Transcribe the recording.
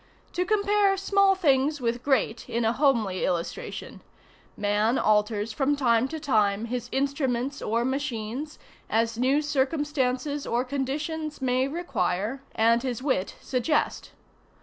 To compare small things with great in a homely illustration: man alters from time to time his instruments or machines, as new circumstances or conditions may require and his wit suggest.